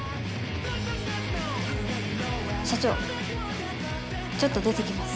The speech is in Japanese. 社長ちょっと出てきます。